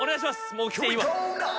もうきていいわ。